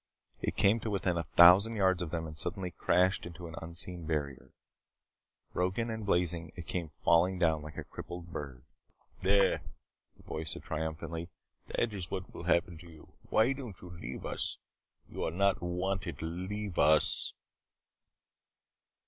It came to within a thousand yards of them and suddenly crashed into an unseen barrier. Broken and blazing, it came falling down like a crippled bird. "There," the voice said triumphantly. "That is what will happen to you. Why don't you leave us? You are not wanted. Leave us."